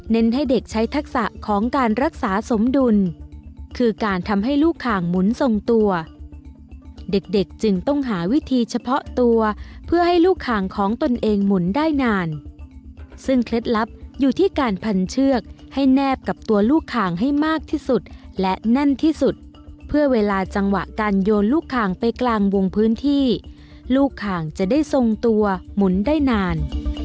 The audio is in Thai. ให้เด็กใช้ทักษะของการรักษาสมดุลคือการทำให้ลูกข่างหมุนทรงตัวเด็กเด็กจึงต้องหาวิธีเฉพาะตัวเพื่อให้ลูกข่างของตนเองหมุนได้นานซึ่งเคล็ดลับอยู่ที่การพันเชือกให้แนบกับตัวลูกข่างให้มากที่สุดและแน่นที่สุดเพื่อเวลาจังหวะการโยนลูกข่างไปกลางวงพื้นที่ลูกข่างจะได้ทรงตัวหมุนได้นาน